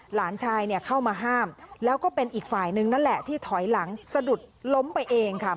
หลานชายเนี่ยเข้ามาห้ามแล้วก็เป็นอีกฝ่ายนึงนั่นแหละที่ถอยหลังสะดุดล้มไปเองค่ะ